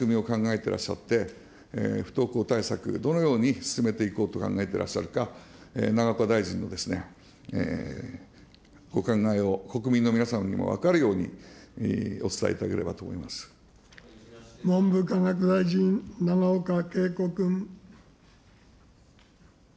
てらっしゃって、不登校対策、どのように進めていこうと考えていらっしゃるか、永岡大臣のお考えを国民の皆様にも分かるように、文部科学大臣、永岡桂子君。